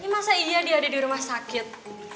masa iya dia ada di rumah sakit